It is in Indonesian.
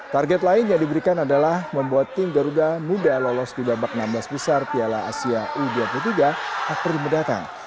target lain yang diberikan adalah membuat tim garuda muda lolos di babak enam belas besar piala asia u dua puluh tiga april mendatang